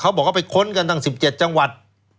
บอกว่าไปค้นกันตั้ง๑๗จังหวัด